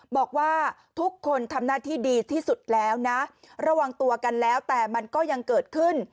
บอกว่าทุกคนทำหน้าที่ดีที่สุดแล้วนะระวังตัวกันแล้วแต่มันก็ยังเกิดขึ้น